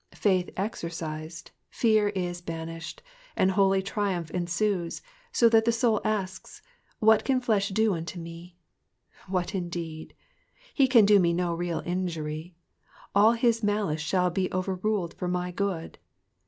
'''* Faith exercised, fear fs banished, and holy triumph ensues, so that the soul asks, What can flesb do unto me?" What indeed? He can do me no real injury ; all his malice aha II be overruled for my good.